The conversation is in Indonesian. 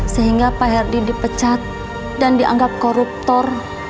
sehingga pak herdi dipecat dan dianggap koruptor